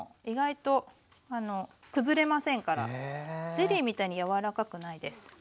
ゼリーみたいに柔らかくないです。